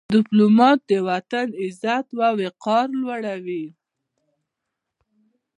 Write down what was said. ډيپلومات د وطن عزت او وقار لوړوي.